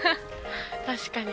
確かに。